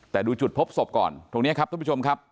แต่ดูจุดพบศพก่อนตรงนี้ครับท่านผู้ชมครับ